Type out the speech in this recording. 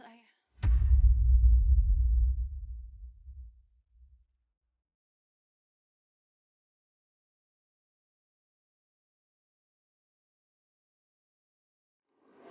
sampai jumpa di video selanjutnya